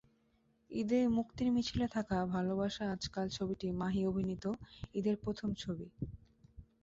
ঈদে মুক্তির মিছিলে থাকা ভালোবাসা আজকাল ছবিটি মাহি অভিনীত ঈদের প্রথম ছবি।